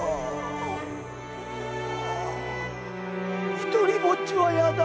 独りぼっちはやだ！